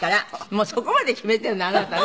もうそこまで決めてるのあなたね。